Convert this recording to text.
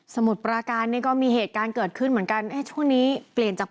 มุดปราการนี่ก็มีเหตุการณ์เกิดขึ้นเหมือนกันช่วงนี้เปลี่ยนจาก